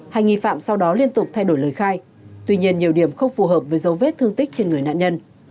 hai nghi phạm sau đó liên tục thay đổi lời khai tuy nhiên nhiều điểm không phù hợp với dấu vết thương tích trên người nạn nhân